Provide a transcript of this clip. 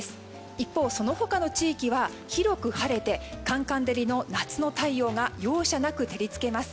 一方、その他の地域は広く晴れてカンカン照りの夏の太陽が容赦なく照り付けます。